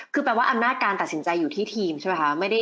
คือแปลว่าอำนาจการตัดสินใจอยู่ที่ทีมใช่ไหมคะ